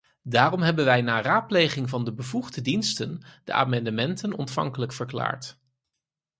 Daarom hebben wij na raadpleging van de bevoegde diensten de amendementen ontvankelijk verklaard.